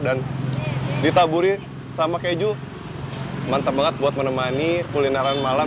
dan ditaburi sama keju mantep banget buat menemani kulineran malam